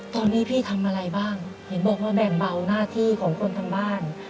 ตอนนี้พี่ทำอะไรบ้างเห็นบอกว่าแบ่งเบาหน้าที่ของคนทางบ้าน